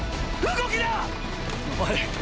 おい！